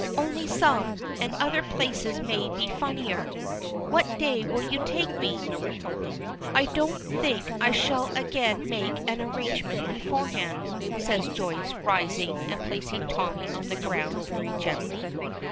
"Only some. And other places may be funnier. What day will you take me?" "I don't think I shall again make an arrangement beforehand," says Joyce, rising, and placing Tommy on the ground very gently.